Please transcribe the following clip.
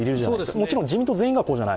もちろん自民党全員がこうじゃない。